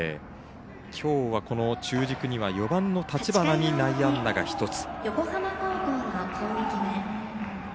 きょうは、この中軸には４番の立花に内野安打が１つ。